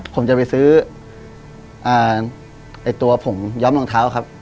ผมจะไปซื้อตัวผมย้อมรองเท้าครับ